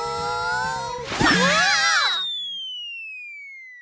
わあ！